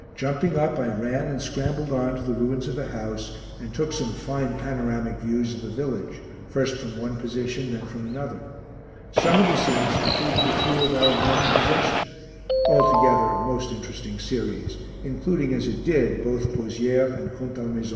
Jumping up I ran and scrambled on to the ruins of a house, and took some fine panoramic views of the village, first from one position then from another. Some of the scenes included a few of our men in possession. Altogether a most interesting series, including as it did both Pozières and Contalmaison.